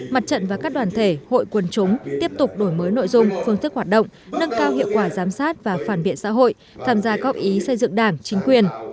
mặt trận và các đoàn thể hội quần chúng tiếp tục đổi mới nội dung phương thức hoạt động nâng cao hiệu quả giám sát và phản biện xã hội tham gia góp ý xây dựng đảng chính quyền